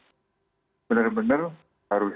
ya benar benar harus